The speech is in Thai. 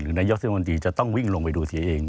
หรือนายกเศรษฐมนตรีจะต้องวิ่งลงไปดูสิเอง